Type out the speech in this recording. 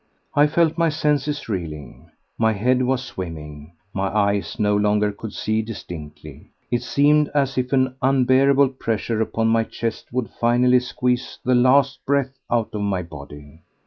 I felt my senses reeling. My head was swimming, my eyes no longer could see distinctly. It seemed as if an unbearable pressure upon my chest would finally squeeze the last breath out of my body.